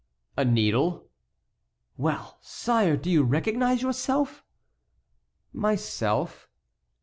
"A needle." "Well, sire, do you recognize yourself?" "Myself?"